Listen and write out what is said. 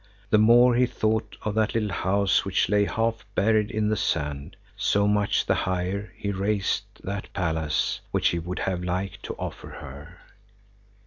The more he thought of that little house which lay half buried in the sand, so much the higher he raised that palace which he would have liked to offer her.